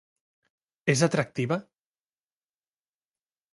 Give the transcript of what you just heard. És atractiva?